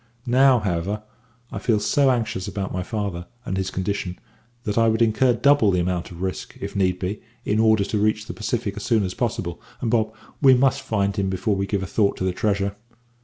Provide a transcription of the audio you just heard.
Now, however, I feel so anxious about my father, and his condition, that I would incur double the amount of risk, if need were, in order to reach the Pacific as soon as possible, and, Bob, we must find him before we give a thought to the treasure.